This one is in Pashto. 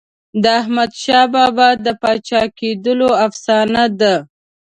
د احمدشاه بابا د پاچا کېدلو افسانه ده.